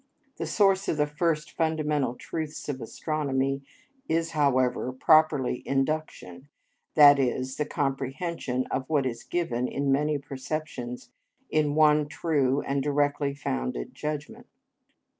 The source of the first fundamental truths of astronomy is, however, properly induction, that is, the comprehension of what is given in many perceptions in one true and directly founded judgment.